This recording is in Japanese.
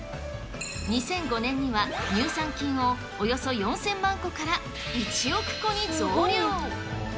２００５年には、乳酸菌をおよそ４０００万個から１億個に増量。